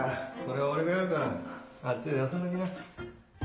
これは俺がやるからあっちで休んでおきな。